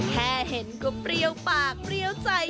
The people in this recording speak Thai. แค่เห็นก็เปรี้ยวปากเปรี้ยวใจ